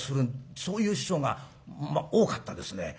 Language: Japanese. そういう師匠が多かったですね。